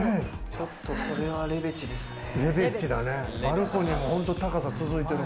ちょっとこれはレベチですね。